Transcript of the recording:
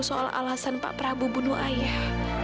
soal alasan pak prabu membunuh ayah